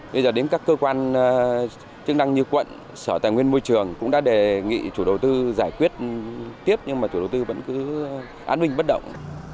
bây giờ đến các cơ quan chức năng như quận sở tài nguyên môi trường cũng đã đề nghị chủ đầu tư giải quyết tiếp nhưng mà chủ đầu tư vẫn cứ án minh bất động